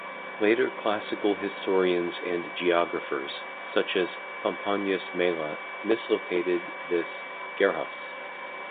Later classical historians and geographers, such as Pomponius Mela mislocated this "Gerrhos".